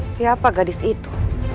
siapa gadis itu